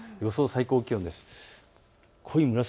予想最高気温です。